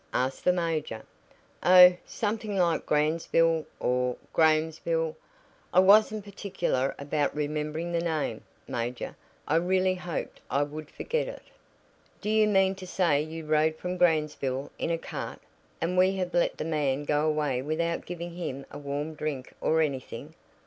asked the major. "Oh, something like Gransville, or Grahamsville. I wasn't particular about remembering the name, major; I really hoped I would forget it." "Do you mean to say you rode from Gransville in a cart? And we have let the man go away without giving him a warm drink or anything!